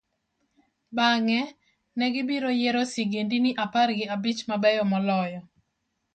bang'e, ne gibiro yiero sigendini apar gi abich mabeyo moloyo.